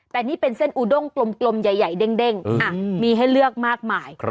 แต่นี่เป็นเส้นอูด้งกลมใหญ่เด้งมีให้เลือกมากมาย